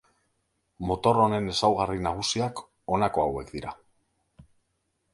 Motor honen ezaugarri nagusiak honako hauek dira.